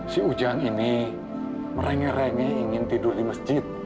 si ujang ini merengek renge ingin tidur di masjid